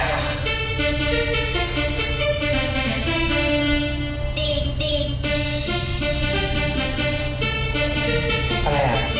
อะไรอ่ะ